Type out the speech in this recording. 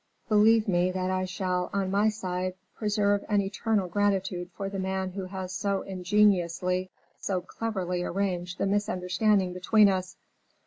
Believe me that I shall, on my side, preserve an eternal gratitude for the man who has so ingeniously, so cleverly arranged the misunderstanding between us.